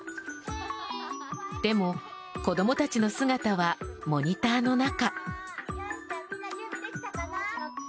でも、子供たちの姿はモニターの中。